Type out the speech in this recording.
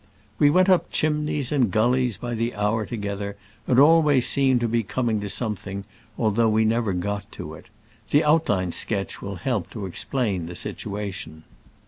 We went up chimneys and gullies by the hour together, and always seemed to be coming to something, although we never got to it. The outline sketch will help to explain the situation.